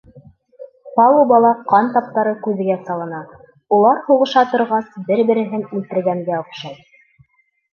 Палубала ҡан таптары күҙгә салына, улар, һуғыша торғас, бер-береһен үлтергәнгә оҡшай.